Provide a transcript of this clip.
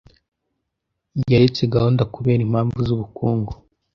Yaretse gahunda kubera impamvu zubukungu.